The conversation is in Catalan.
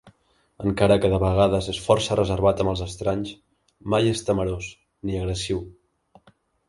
Encara que de vegades és força reservat amb els estranys, mai és temorós, ni agressiu.